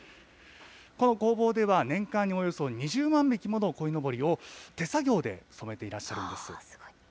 この工房では、年間におよそ２０万匹ものこいのぼりを手作業で染めていらっしゃるんです。